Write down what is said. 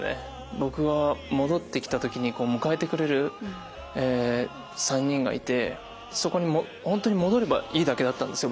僕が戻ってきた時に迎えてくれる３人がいてそこに本当に戻ればいいだけだったんですよ